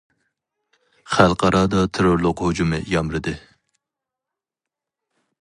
خەلقئارادا تېررورلۇق ھۇجۇمى يامرىدى.